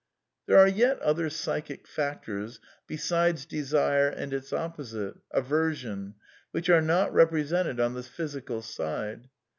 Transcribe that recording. There are yet other psychic factors besides desire and its opposite, aversion, which are not represented on the physical side.